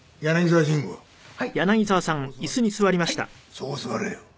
「そこ座れよ」。